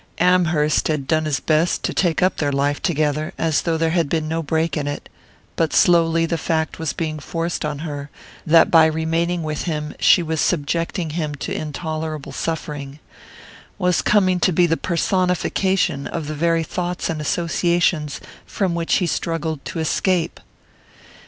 Amherst had done his best to take up their life together as though there had been no break in it; but slowly the fact was being forced on her that by remaining with him she was subjecting him to intolerable suffering was coming to be the personification of the very thoughts and associations from which he struggled to escape.